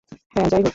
হ্যাঁ, যাইহোক।